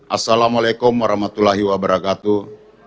assalamu'alaikum warahmatullahi wabarakatuh